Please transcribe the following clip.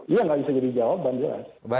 iya nggak bisa jadi jawaban jelas